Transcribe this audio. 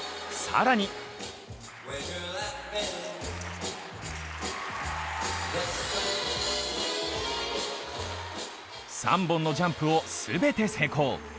更に３本のジャンプを全て成功。